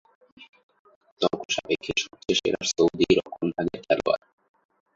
তর্কসাপেক্ষে, সবচেয়ে সেরা সৌদি রক্ষণভাগের খেলোয়াড়।